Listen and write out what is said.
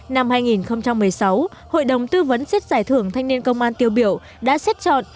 năm hai nghìn một mươi sáu hội đồng tư vấn xét giải thưởng thanh niên công an tiêu biểu đã xét chọn